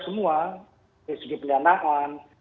semua dari segi peliharaan